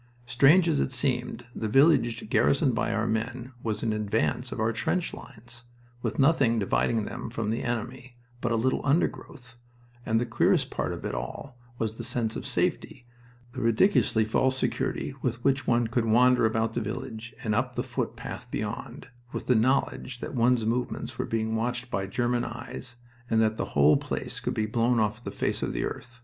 Strange as it seemed, the village garrisoned by our men was in advance of our trench lines, with nothing dividing them from the enemy but a little undergrowth and the queerest part of it all was the sense of safety, the ridiculously false security with which one could wander about the village and up the footpath beyond, with the knowledge that one's movements were being watched by German eyes and that the whole place could be blown off the face of the earth...